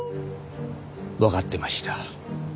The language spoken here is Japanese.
わかってました。